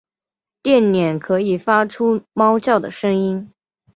电鲇可以发出猫叫的声音。